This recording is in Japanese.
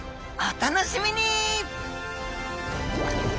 お楽しみに！